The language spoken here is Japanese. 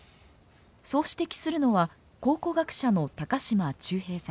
そう指摘するのは考古学者の高島忠平さん。